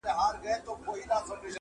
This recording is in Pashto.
عمرونه وسول په تیارو کي دي رواني جرګې؛